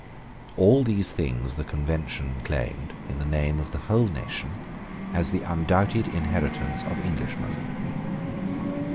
All these things the Convention claimed, in the name of the whole nation, as the undoubted inheritance of Englishmen.